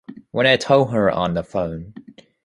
When I told her on the phone